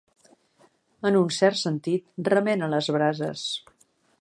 En un cert sentit, remena les brases.